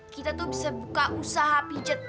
kita tuh bisa buka usaha pijat